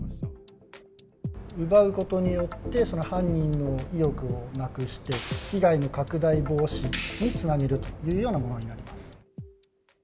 奪うことによって、犯人の意欲をなくして、被害の拡大防止につなげるというようなものになります。